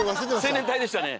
青年隊でしたね。